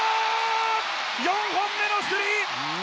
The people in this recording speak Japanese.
４本目のスリー。